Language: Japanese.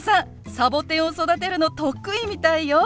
サボテンを育てるの得意みたいよ。